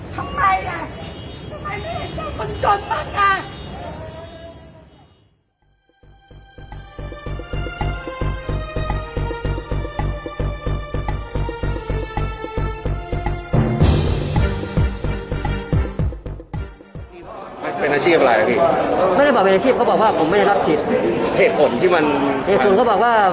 ทำไมอ่ะทำไมไม่ได้ชอบคนจนบ้างอ่ะ